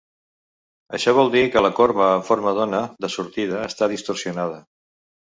Això vol dir que la corba en forma d'ona de sortida està distorsionada.